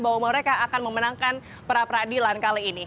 bahwa mereka akan memenangkan pra peradilan kali ini